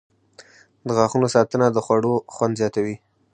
• د غاښونو ساتنه د خوړو خوند زیاتوي.